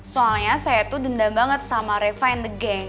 soalnya saya itu dendam banget sama reva and the gang